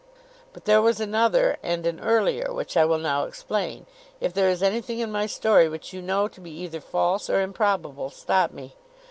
But there was another, and an earlier, which I will now explain. If there is anything in my story which you know to be either false or improbable, stop me.